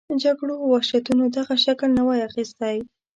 جګړو او وحشتونو دغه شکل نه وای اخیستی.